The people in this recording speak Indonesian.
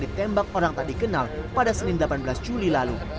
ditembak orang tak dikenal pada senin delapan belas juli lalu